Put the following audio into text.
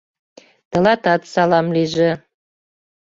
Тылатат салам лийже!